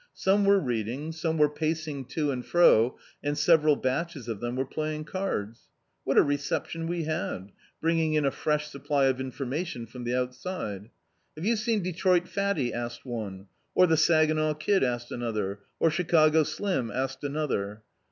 Some were reading, some were pacing to and fro, and several batches of them were plying cards. What a reception we had, bringing in a fresh supply of information from the outside. "Have you seen Detroit Fatty¥" asked one, "Or the Saginaw Kid?" asked another. "Or Chicago Slim?" asked another.